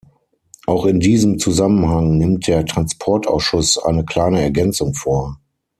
Auch in diesem Zusammenhang nimmt der Transportausschuss eine kleine Ergänzung vor.